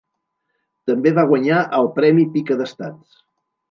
També va guanyar el premi Pica d'Estats.